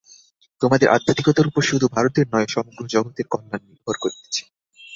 তোমাদের আধ্যাত্মিকতার উপর শুধু ভারতের নহে, সমগ্র জগতের কল্যাণ নির্ভর করিতেছে।